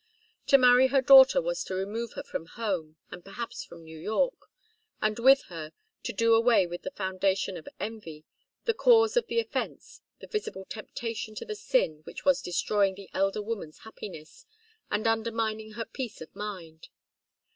To marry her daughter was to remove her from home, and perhaps from New York and with her, to do away with the foundation of envy, the cause of the offence, the visible temptation to the sin which was destroying the elder woman's happiness and undermining her peace of mind.